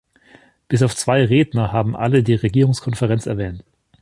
Bis auf zwei Redner haben alle die Regierungskonferenz erwähnt.